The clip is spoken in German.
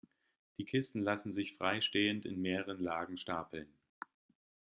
Die Kisten lassen sich frei stehend in mehreren Lagen stapeln.